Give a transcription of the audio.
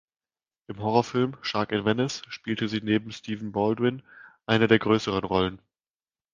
Im Horrorfilms "Shark in Venice" spielte sie neben Stephen Baldwin eine der größeren Rollen.